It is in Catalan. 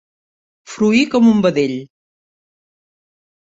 Fruir com un vedell.